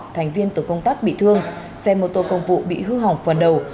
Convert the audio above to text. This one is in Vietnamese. thành viên tổ công tác bị thương xe mô tô công vụ bị hư hỏng phần đầu